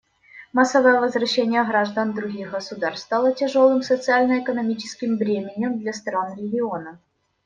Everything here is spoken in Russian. Массовое возвращение граждан других государств стало тяжелым социально-экономическим бременем для стран региона.